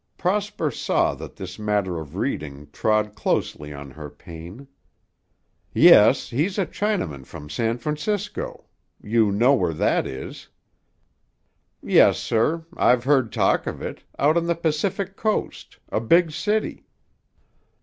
Prosper saw that this matter of reading trod closely on her pain. "Yes, he's a Chinaman from San Francisco. You know where that is." "Yes, sir. I've heard talk of it out on the Pacific Coast, a big city."